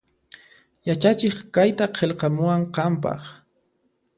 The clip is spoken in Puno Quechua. Yachachiq kayta qillqamuwan qanpaq